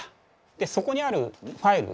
でそこにあるファイル